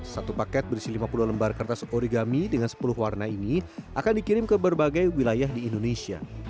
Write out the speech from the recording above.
satu paket berisi lima puluh lembar kertas origami dengan sepuluh warna ini akan dikirim ke berbagai wilayah di indonesia